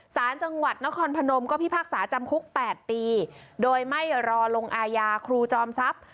สารจังหวัดนครพนมก็พิพากษาจำคุก๘ปีโดยไม่รอลงอาญาครูจอมทรัพย์